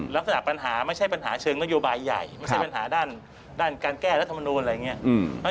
ลักษณะปัญหาไม่ใช่ปัญหาเชิงนโยบายใหญ่ไม่ใช่ปัญหาด้านการแก้รัฐมนูลอะไรอย่างนี้